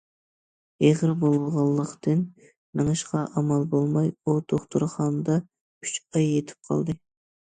ئېغىر بولغانلىقتىن مېڭىشقا ئامال بولماي ئۇ دوختۇرخانىدا ئۈچ ئاي يېتىپ قالدى.